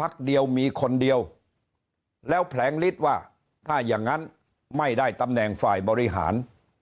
พักเดียวมีคนเดียวแล้วแผลงฤทธิ์ว่าถ้าอย่างนั้นไม่ได้ตำแหน่งฝ่ายบริหาร